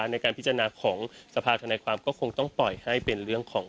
ในการพิจารณาของสภาธนาความก็คงต้องปล่อยให้เป็นเรื่องของ